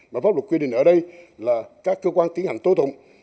và pháp luật quy định ở đây là các cơ quan tiến hành tố tụng